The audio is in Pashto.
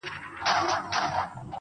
ورور مي دی هغه دی ما خپله وژني_